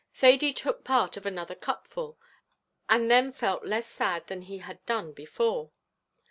Thady took part of another cup full, and then felt less sad than he had done before.